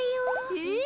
えっ？